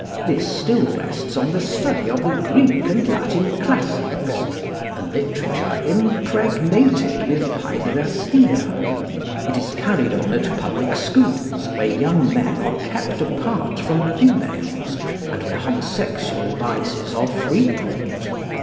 This still rests on the study of the Greek and Latin classics, a literature impregnated with pæderastia. It is carried on at public schools, where young men are kept apart from females, and where homosexual vices are frequent.